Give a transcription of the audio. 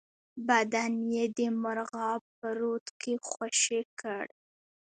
بدن یې د مرغاب په رود کې خوشی کړ.